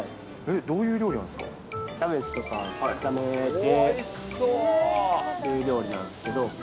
キャベツとか炒めてっていう料理なんですけど。